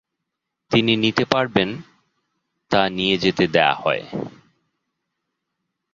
তিনি নিতে পারবেন তা নিয়ে যেতে দেয়া হয়।